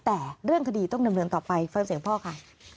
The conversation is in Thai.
แต่เรื่องคดีต้องเริ่มเรื่องต่อไปฟังเสียงพ่อค่ะ